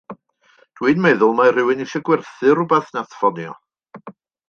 Dw i'n meddwl mai rhywun isio gwerthu r'wbath nath ffonio.